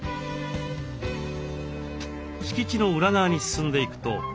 敷地の裏側に進んでいくと。